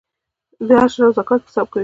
د عشر او زکات حساب کوئ؟